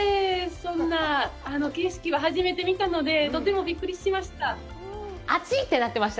そんな景色は初めて見たので、とてもびっくりしました。